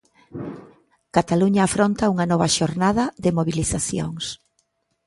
Cataluña afronta unha nova xornada de mobilizacións.